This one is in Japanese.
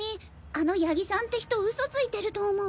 あの谷木さんって人ウソついてると思う。